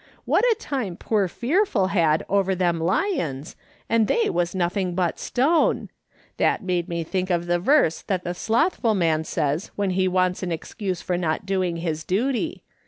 What a time poor Fearful had over them lions, and they was nothing but stone ! That made me think of the verse that the slothful man says when he wauts an excuse for not doing his duty.